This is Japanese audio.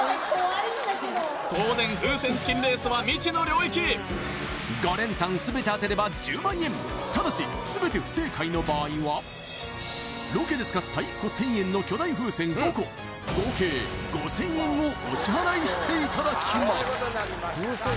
当然風船チキンレースは未知の領域５連単全て当てれば１０万円ただし全て不正解の場合はロケで使った１個１０００円の巨大風船５個合計５０００円をお支払いしていただきます